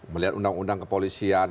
melihat undang undang kepolisian